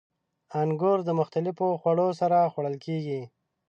• انګور د مختلفو خوړو سره خوړل کېږي.